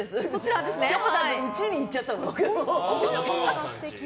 しょこたんのうちに行っちゃったの。